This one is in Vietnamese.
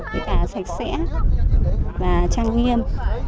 với cả sạch sẽ và trang nghiêm